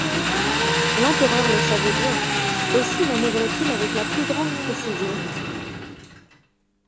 L'empereur le savait bien, aussi manœuvrait-il avec la plus grande précision.